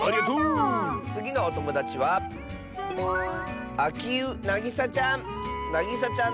つぎのおともだちはなぎさちゃんの。